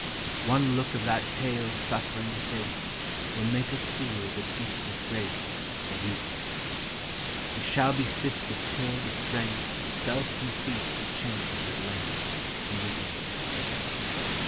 One look of that pale suffering face Will make us feel the deep disgrace Of weakness; We shall be sifted till the strength Of self conceit be changed at length To meekness.